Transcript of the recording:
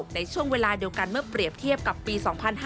ในช่วงเวลาเดียวกันเมื่อเปรียบเทียบกับปี๒๕๕๙